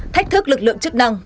thách thức lực lượng chức năng